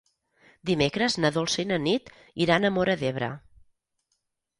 Dimecres na Dolça i na Nit iran a Móra d'Ebre.